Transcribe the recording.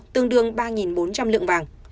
tương đương ba bốn trăm linh lượng vàng